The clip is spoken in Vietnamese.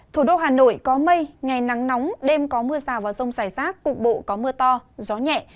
thủ đô hà nội có mây ngày nắng nóng đêm có mưa rào và rông rải rác cục bộ có mưa to gió nhẹ